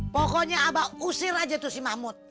pokoknya abah usir aja itu si mahmud